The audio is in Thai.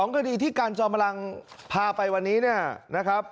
๒คดีที่การจอมลังพาไปวันนี้นะครับ